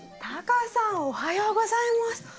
タカさんおはようございます。